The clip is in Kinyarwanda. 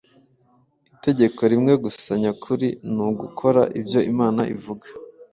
Itegeko rimwe gusa nyakuri ni ugukora ibyo Imana ivuga.